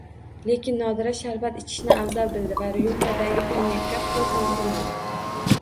Lekin Nodira sharbat ichishni afzal bildi va ryumkadagi konyakka qo`l ham urmadi